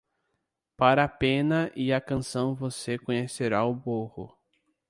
Para a pena e a canção você conhecerá o burro.